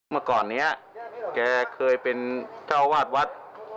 เมื่อก่อนนี้แกเคยเป็นเจ้าวาดวัด